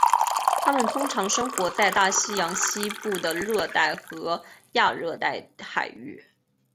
它们通常生活在大西洋西部的热带和亚热带海域。